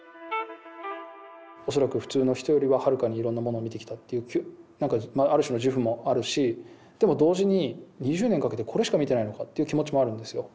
恐らく普通の人よりははるかにいろんなものを見てきたっていうなんかある種の自負もあるしでも同時に２０年かけてこれしか見てないのかっていう気持ちもあるんですよ。